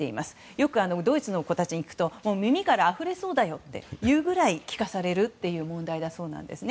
よく、ドイツの子たちに聞くと耳からあふれそうだよと言うぐらい聞かされる問題だそうです。